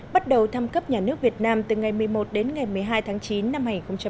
bắt đầu thăm cấp nhà nước việt nam từ ngày một mươi một đến ngày một mươi hai tháng chín năm hai nghìn một mươi chín